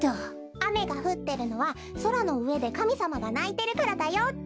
あめがふってるのはそらのうえでかみさまがないてるからだよって。